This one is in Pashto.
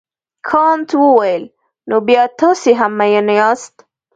کانت وویل نو بیا تاسي هم مین یاست.